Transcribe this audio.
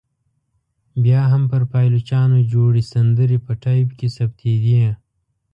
بیا هم پر پایلوچانو جوړې سندرې په ټایپ کې ثبتېدې.